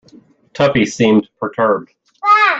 Tuppy seemed perturbed.